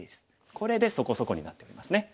これでそこそこになってますね。